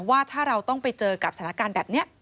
ว่าถ้าเราต้องไปเจอกับสถานการณ์แบบนี้